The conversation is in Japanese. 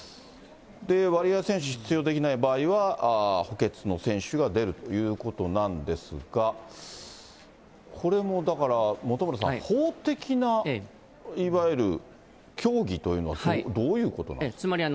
で、ワリエワ選手、出場できない場合は、補欠の選手が出るということなんですが、これもだから、本村さん、法的ないわゆる、競技といいますとどういうことなんですか。